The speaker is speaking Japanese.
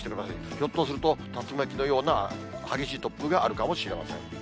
ひょっとすると竜巻のような激しい突風があるかもしれません。